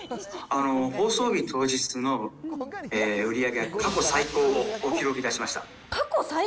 放送日当日の売り上げが過去最高を記録いたしました。